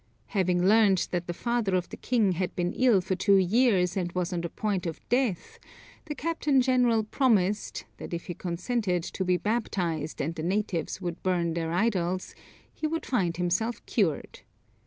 Having learnt that the father of the king had been ill for two years and was on the point of death, the captain general promised, that if he consented to be baptized and the natives would burn their idols, he would find himself cured.